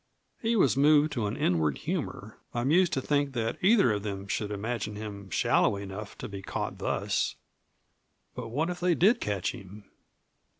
He was moved to an inward humor, amused to think that either of them should imagine him shallow enough to be caught thus. But what if they did catch him?